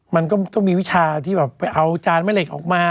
มันก็ต้องมีวิชาที่แบบไปเอาจานแม่เหล็กออกมา